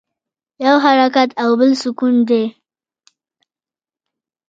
یو حرکت او بل سکون دی.